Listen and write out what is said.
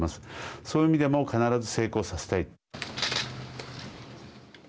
そういう意味でも必ず成功させたい。